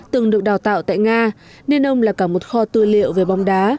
từng được đào tạo tại nga nên ông là cả một kho tư liệu về bóng đá